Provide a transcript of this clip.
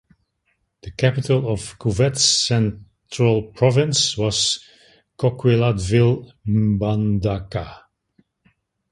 The capital of Cuvette Centrale Province was Coquilhatville (Mbandaka).